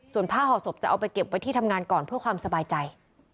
ส่วนผ้าห่อศพจะเอาไปเก็บไว้ที่ทำงานก่อนเพื่อความสบายใจ